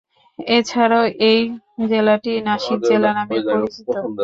এছাড়াও এই জেলাটি "নাসিক জেলা" নামে পরিচিত।